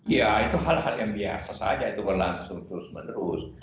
ya itu hal hal yang biasa saja itu berlangsung terus menerus